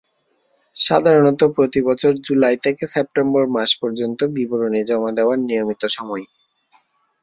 সাধারণত প্রতিবছর জুলাই থেকে সেপ্টেম্বর মাস পর্যন্ত বিবরণী জমা দেওয়ার নিয়মিত সময়।